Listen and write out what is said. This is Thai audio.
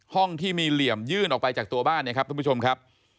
ห้องที่มีเหลี่ยมยื่นออกไปจากตัวบ้านเนี่ยครับทุกผู้ชมครับ